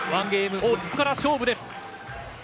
ここから勝負です。